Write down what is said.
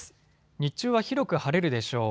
日中は広く晴れるでしょう。